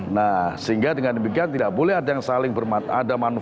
nah sehingga dengan demikian tidak boleh ada yang saling bermanfaat